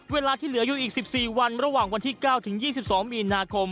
เวลาที่เหลืออยู่อีก๑๔วันระหว่างวันที่๙ถึง๒๒มีนาคม